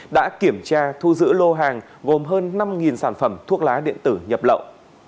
đã kiểm tra thu giữ lô hàng gồm hơn năm sản phẩm thuốc lá điện tử nhập lậu